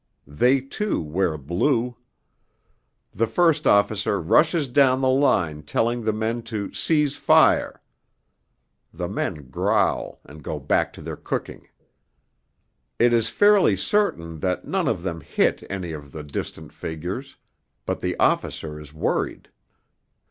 They, too, wear blue. The first officer rushes down the line telling the men to 'cease fire.' The men growl and go back to their cooking. It is fairly certain that none of them hit any of the distant figures, but the officer is worried.